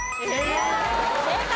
正解！